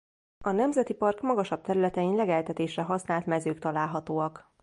A nemzeti park magasabb területein legeltetésre használt mezők találhatóak.